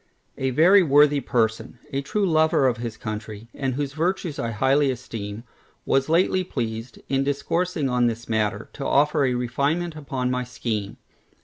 A very worthy person, a true lover of his country, and whose virtues I highly esteem, was lately pleased in discoursing on this matter, to offer a refinement upon my scheme.